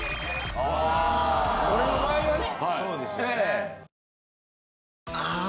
俺の場合はね。